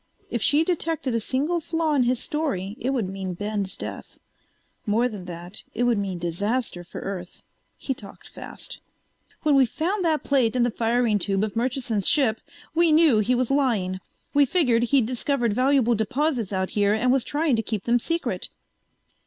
If she detected a single flaw in his story it would mean Ben's death. More than that, it would mean disaster for Earth. He talked fast. "When we found that plate in the firing tube of Murchison's ship we knew he was lying. We figured he'd discovered valuable deposits out here and was trying to keep them secret."